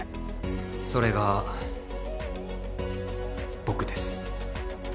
それが僕です。